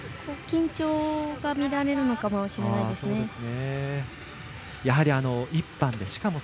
緊張がみられるのかもしれないですね。